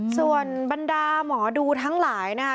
ส่วนบรรดาหมอดูทั้งหลายนะคะ